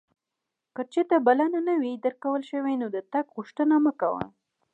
که چیرته بلنه نه وې درکړل شوې نو د تګ غوښتنه مه کوه.